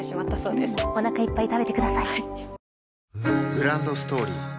グランドストーリー